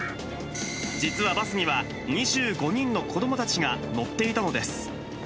実はバスには２５人の子どもたちが乗っていたのです。